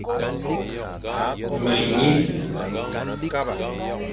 Me nyi,